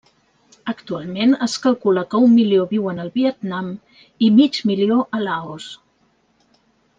Actualment es calcula que un milió viuen al Vietnam i mig milió a Laos.